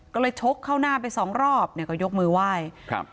ก็เลยชกเข้าหน้าไปสองรอบเนี่ยก็ยกมือไหว้ครับ